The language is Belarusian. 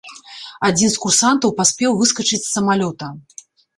Адзін з курсантаў паспеў выскачыць з самалёта.